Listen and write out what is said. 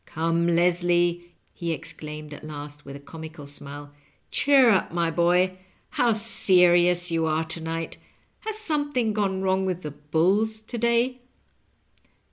" Come, Leslie," he exclaimed at last, with a comical smile, "cheer up, my boy; how serious you are to night. Has something gone wrong with the ' bulls ' to day